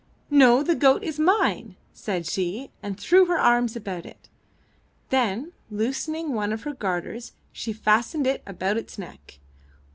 ''No, the goat is mine," said she, and threw her arms about it. Then, loosening one of her garters, she fastened it about its neck.